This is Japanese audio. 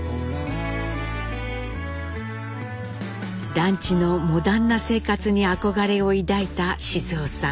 団地のモダンな生活に憧れを抱いた雄さん。